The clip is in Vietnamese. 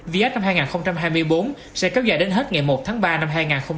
viet năm hai nghìn hai mươi bốn sẽ kéo dài đến hết ngày một tháng ba năm hai nghìn hai mươi bốn